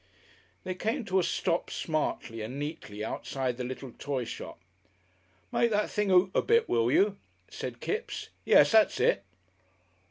They came to a stop smartly and neatly outside the little toy shop. "Make that thing 'oot a bit, will you," said Kipps. "Yes, that's it."